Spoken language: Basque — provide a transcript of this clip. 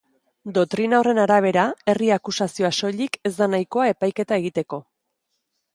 Doktrina horren arabera, herri akusazioa soilik ez da nahikoa epaiketa egiteko.